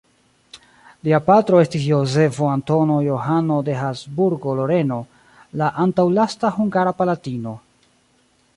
Lia patro estis Jozefo Antono Johano de Habsburgo-Loreno, la antaŭlasta hungara palatino.